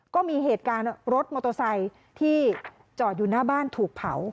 ก็มีเหตุการณ์รถมอเตอร์ไซค์ที่จอดอยู่หน้าบ้านถูกเผา